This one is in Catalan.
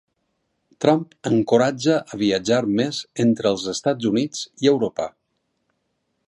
Trump encoratja a viatjar més entre els Estats Units i Europa